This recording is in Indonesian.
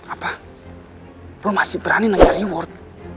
apa lo masih berani nengah reward